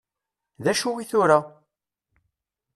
D acu i tura?